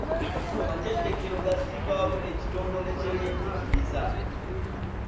Amatendekero gassibwawo ekitongole ky’ebyenjigiriza.